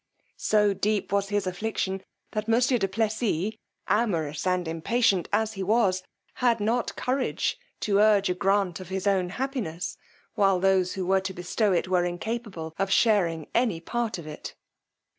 So deep was his affliction, that monsieur du Plessis, amorous and impatient as he was, had not courage to urge a grant of his own happiness, while those who were to bestow it, were incapable of sharing any part of it.